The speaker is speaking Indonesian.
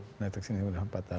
mendeteksi ini sudah empat tahun